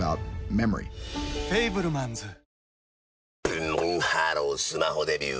ブンブンハロースマホデビュー！